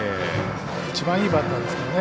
一番いいバッターですからね。